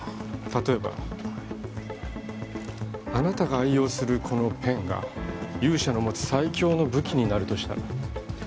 例えばあなたが愛用するこのペンが勇者の持つ最強の武器になるとしたら？